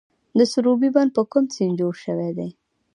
د سروبي بند په کوم سیند جوړ شوی دی؟